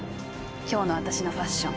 今日の私のファッション。